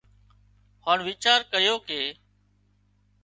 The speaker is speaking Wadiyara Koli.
هانَ ويچار ڪريو ڪي